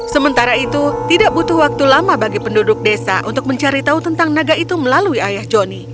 sementara itu tidak butuh waktu lama bagi penduduk desa untuk mencari tahu tentang naga itu melalui ayah joni